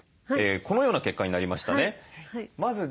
このような結果になりましたね。